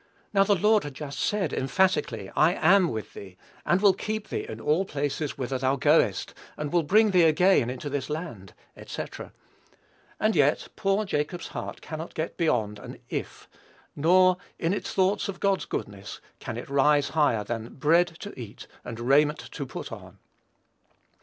Now, the Lord had just said, emphatically, "I am with thee, and will keep thee in all places whither thou goest, and will bring thee again into this land," &c. And yet poor Jacob's heart cannot get beyond an "if;" nor, in its thoughts of God's goodness, can it rise higher than "bread to eat, and raiment to put on."